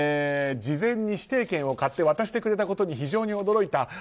事前に指定席券を買って渡してくれたことに非常に驚いた。